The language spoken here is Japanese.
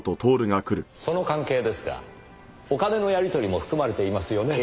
その関係ですがお金のやり取りも含まれていますよね？